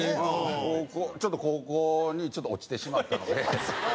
ちょっと高校に落ちてしまったので。